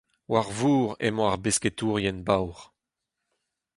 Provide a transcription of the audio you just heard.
War vor emañ ar besketourien baour.